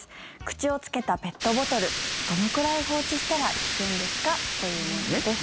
口をつけたペットボトルどのくらい放置したら危険ですか？というものです。え？